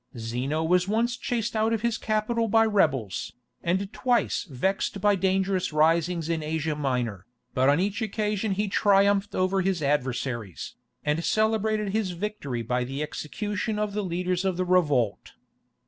Zeno was once chased out of his capital by rebels, and twice vexed by dangerous risings in Asia Minor, but on each occasion he triumphed over his adversaries, and celebrated his victory by the execution of the leaders of the revolt.